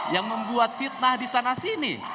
yang membuat fitnah disana sini